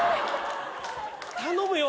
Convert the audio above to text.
頼むよ！